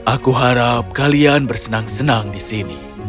aku harap kalian bersenang senang di sini